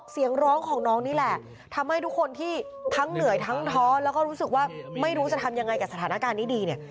เสียงร้องของน้องนี่แหละทำให้ทุกคนที่ทั้งเหนื่อยทั้งท้อแล้วก็รู้สึกว่าไม่รู้จะทำยังไงกับสถานการณ์นี้ดีเนี่ย